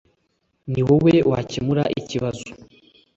Ni wowe wakemuye ikibazo.